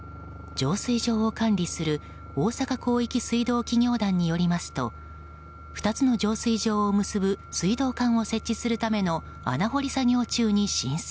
浄水場を管理する大阪広域水道企業団によりますと２つの浄水場を結ぶ水道管を設置するための穴掘り作業中に浸水。